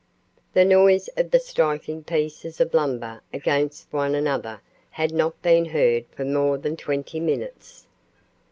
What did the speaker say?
The noise of the striking pieces of lumber against one another had not been heard for more than twenty minutes.